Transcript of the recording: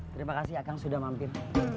terima kasih akang sudah mampir